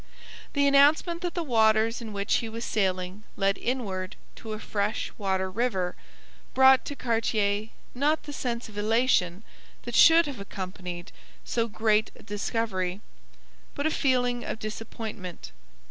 The announcement that the waters in which he was sailing led inward to a fresh water river brought to Cartier not the sense of elation that should have accompanied so great a discovery, but a feeling of disappointment.